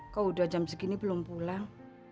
kau udah jam segini belum pulang